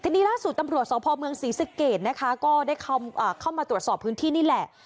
ทีนี้ล่าสุดตำรวจสพเมืองศรีสะเกดนะคะก็ได้เข้ามาตรวจสอบพื้นที่นี่แหละ